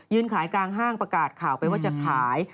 ขายกลางห้างประกาศข่าวไปว่าจะขาย